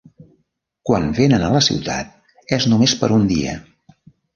Quan venen a la ciutat és només per un dia.